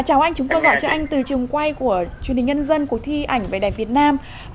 chào anh chúng tôi gọi cho anh từ trường quay của truyền hình nhân dân cuộc thi ảnh vẻ đẹp việt nam